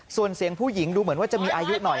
ส่วนเสียงผู้หญิงดูเหมือนว่าจะมีอายุหน่อย